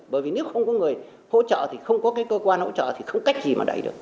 bởi vì nếu không có người hỗ trợ thì không có cái cơ quan hỗ trợ thì không cách gì mà đẩy được